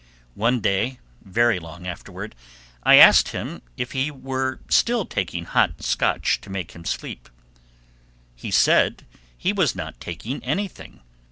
One day, very long afterward, I asked him if he were still taking hot Scotch to make him sleep. He said he was not taking anything.